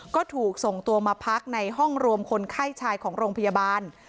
ก็ถูกส่งตัวมาพักในห้องรวมคนไข้ชายของโรงพยาบาล